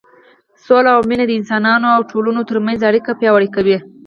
سوله او مینه د انسانانو او ټولنو تر منځ اړیکې پیاوړې کوي.